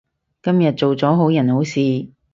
今日做咗好人好事